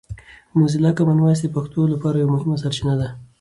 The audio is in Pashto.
موزیلا کامن وایس د پښتو لپاره یوه مهمه سرچینه ده.